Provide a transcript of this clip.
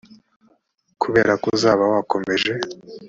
kubera ko uzaba wakomeje